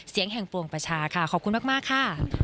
เสียงแห่งปวงประชาค่ะขอบคุณมากค่ะ